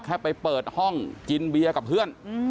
แค่ไปเปิดห้องกินเบียร์กับเพื่อน